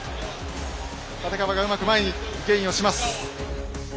立川がうまく前にゲインをします。